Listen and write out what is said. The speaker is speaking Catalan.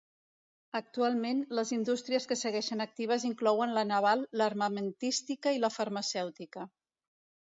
Actualment, les indústries que segueixen actives inclouen la naval, l'armamentística i la farmacèutica.